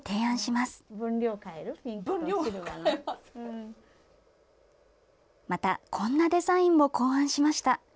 またこんなデザインも考案しました。